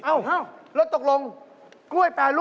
เอาแล้วอันนี้นี่